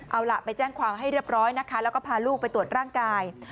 เอาล่ะไปแจ้งความให้เรียบร้อยนะคะแล้วก็พาลูกไปตรวจร่างกาย